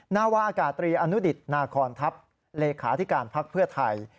นาวากาตรีอนุดิษฐ์นาคอนทัพเหลขาที่การพักเพื่อไทย